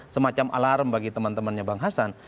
semacam alarm bagi teman temannya bang hasan